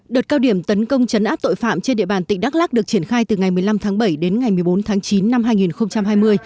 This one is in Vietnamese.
đợt cao điểm tấn công chấn áp tội phạm trên địa bàn tỉnh đắk lắc được triển khai từ ngày một mươi năm tháng bảy đến ngày một mươi bốn tháng chín năm hai nghìn hai mươi